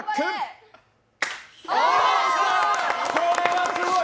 これはすごい！